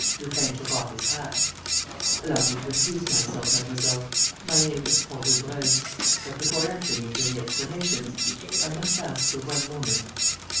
Lupin took off his hat: "Allow me to introduce myself, mademoiselle.... My name is Paul Daubreuil.... But before entering into any explanations, I must ask for one moment...."